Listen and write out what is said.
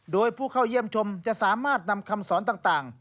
โดยผู้เข้าเยี่ยมชมจะสามารถนำคำสอนต่าง